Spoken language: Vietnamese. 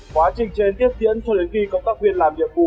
quá trình trên tiếp tiễn cho đến khi công tác viên làm nhiệm vụ